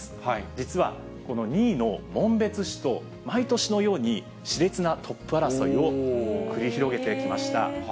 実はこの２位の紋別市と毎年のようにしれつなトップ争いを繰り広げてきました。